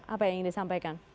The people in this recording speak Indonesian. apa yang ingin disampaikan